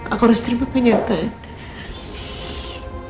aku harus terima penyataan